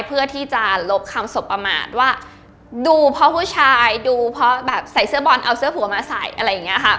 เพื่อที่จะลบคำสบประมาทว่าดูเพราะผู้ชายดูเพราะแบบใส่เสื้อบอลเอาเสื้อผัวมาใส่อะไรอย่างนี้ค่ะ